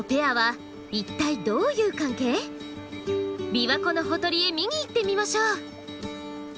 琵琶湖のほとりへ見に行ってみましょう。